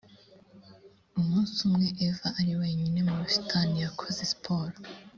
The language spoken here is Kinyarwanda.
umunsi umwe eva ari wenyine mu busitani yakoze siporo